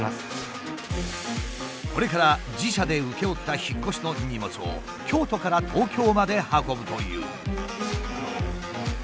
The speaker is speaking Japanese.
これから自社で請け負った引っ越しの荷物を京都から東京まで運ぶという。